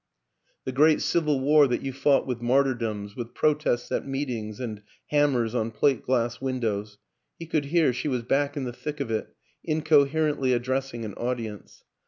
The Great Civil War that you fought with martyrdoms, with protests at meetings and ham mers on plate glass windows he could hear she was back in the thick of it incoherently addressing an audience.